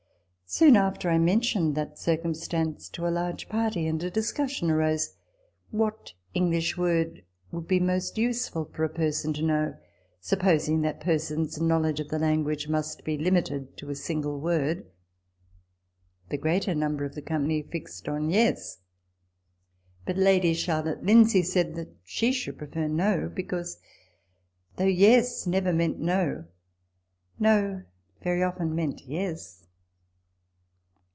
Soon after, I mentioned that circumstance to a large party ; and a discussion arose what English word would be most useful for a person to know, supposing that person's know ledge of the language must be limited to a single word. The greater number of the company fixed on " Yes." But Lady Charlotte Lindsay said that she should prefer " No "; because, though " Yes " never meant " No," " No " very often meant " Yes."